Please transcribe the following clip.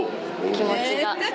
・気持ちが。え！